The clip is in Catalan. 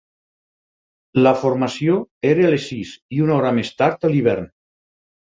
La formació era a les sis i una hora més tard a l'hivern.